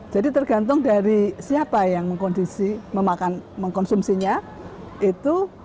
jadi tergantung dari siapa yang mengkondisi memakan mengkonsumsinya itu